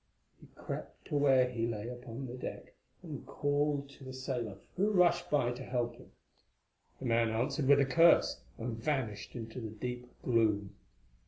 He crept to where he lay upon the deck, and called to a sailor who rushed by to help him. The man answered with a curse, and vanished into the deep gloom.